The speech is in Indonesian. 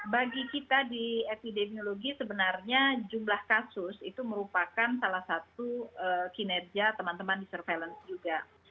bagi kita di epidemiologi sebenarnya jumlah kasus itu merupakan salah satu kinerja teman teman di surveillance juga